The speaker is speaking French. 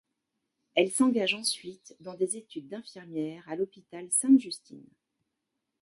Elle s'engage ensuite dans des études d'infirmière à l'Hôpital Sainte-Justine.